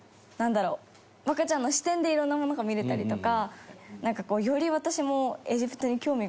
環子ちゃんの視点で色んなものが見れたりとか。